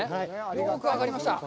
よく分かりました。